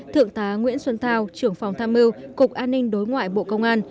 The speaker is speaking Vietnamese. thượng tá nguyễn xuân thao trưởng phòng tham mưu cục an ninh đối ngoại bộ công an